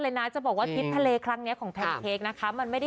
แต่ว่ามันมันไม่แบบนี้แต่ว่าจะฟังว่าเห็นว่ามันไม่ไปดูขึ้นด้านนี้แต่ว่ามันมีค่ะ